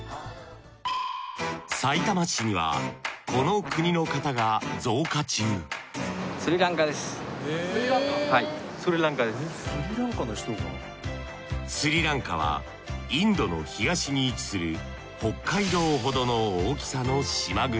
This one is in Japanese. さいたま市にはこの国の方が増加中スリランカはインドの東に位置する北海道ほどの大きさの島国。